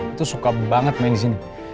itu suka banget main di sini